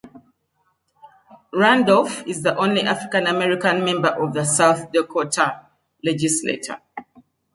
Randolph is the only African American member of the South Dakota Legislature.